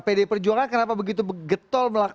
pdi perjuangan kenapa begitu getol